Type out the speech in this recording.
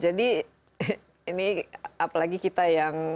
jadi ini apalagi kita yang